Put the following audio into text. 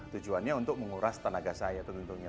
tujuannya untuk menguras tenaga saya tentunya